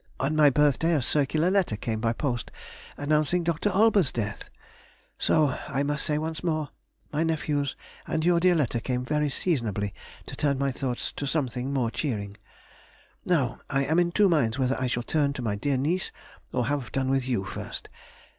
On my birthday a circular letter came by post, announcing Dr. Olbers's death. So, I must say once more, my nephew's and your dear letter came very seasonably to turn my thoughts to something more cheering.... Now I am in two minds whether I shall turn to my dear niece or have done with you first.